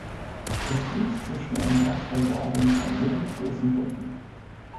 Es dient zur schnellen Erstversorgung von mittelgroßen Wunden.